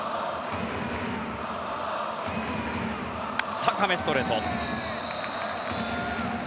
高め、ストレート。